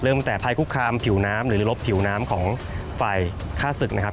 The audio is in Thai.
ตั้งแต่ภัยคุกคามผิวน้ำหรือลบผิวน้ำของฝ่ายฆ่าศึกนะครับ